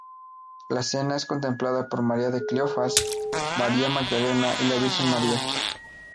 La escena es contemplada por María de Cleofás, María Magdalena y la Virgen María.